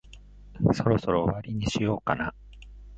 そろそろ終わりにしようかな。